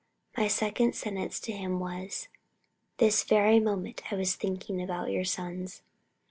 My second sentence to him was: "This very moment I was thinking about your sons.